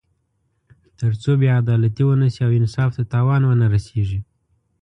تر څو بې عدالتي ونه شي او انصاف ته تاوان ونه رسېږي.